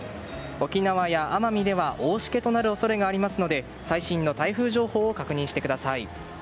沖縄や奄美では大しけとなる恐れがありますので最新の台風情報を確認してください。